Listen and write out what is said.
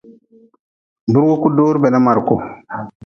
Burgu ku dori bana ma reku.